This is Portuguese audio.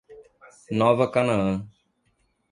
Nova Canaã